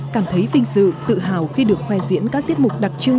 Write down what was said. cảm thấy vinh dự tự hào khi được khoe diễn các tiết mục đặc trưng